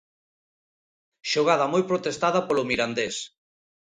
Xogada moi protestada polo Mirandés.